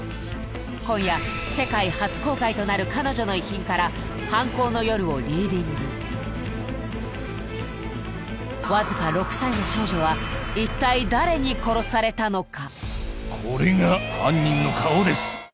今夜世界初公開となる彼女の遺品から犯行の夜をリーディングわずか６歳の少女は一体誰に殺されたのか！？